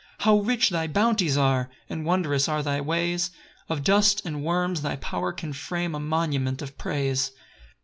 6 How rich thy bounties are! And wondrous are thy ways: Of dust and worms thy power can frame A monument of praise.